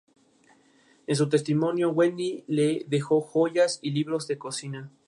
La primera vez que volvían a reunirse desde que Neil abandonó Suede.